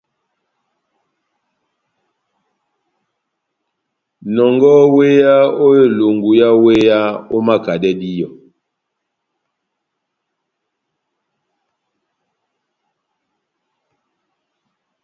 Nɔngɔhɔ wéya ó elungu yá wéya, omakadɛ díyɔ.